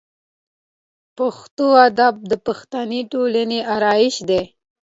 پښتو ادب د پښتني ټولنې آرایش دی.